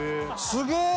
すげえ！